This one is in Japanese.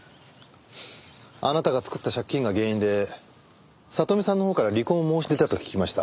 あなたが作った借金が原因で里実さんのほうから離婚を申し出たと聞きました。